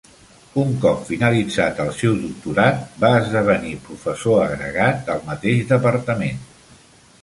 Un cop finalitzat el seu doctorat, va esdevenir professor agregat al mateix departament.